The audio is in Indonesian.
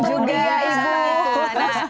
itu gila ibu